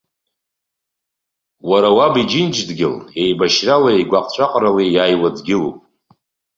Уара уабиџьынџь-дгьыл еибашьралеи гәаҟ-ҵәаҟрылеи иаауа дгьылуп.